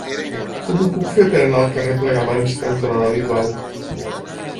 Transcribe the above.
Com ho puc fer per anar al carrer Plegamans cantonada Bilbao?